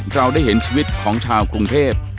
เราได้เห็นชีวิตของชาวกรุงเทพ